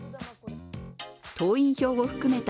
党員票を含めた